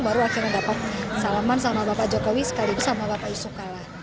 baru akhirnya dapat salaman sama pak jokowi sekaligus sama pak yusuf kalah